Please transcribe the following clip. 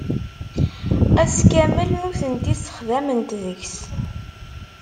Ass kamel nutenti ssexdament deg-nteɣ.